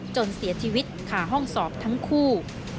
จนเสียชีวิตขาห้องสอบทั้งคู่